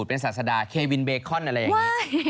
เป็นศาสดาเควินเบคอนอะไรอย่างนี้